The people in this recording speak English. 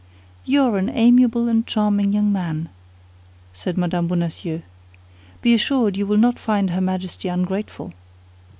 "You are an amiable and charming young man," said Mme. Bonacieux. "Be assured you will not find her Majesty ungrateful."